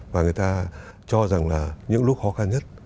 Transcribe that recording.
và người ta cho rằng là những lúc khó khăn nhất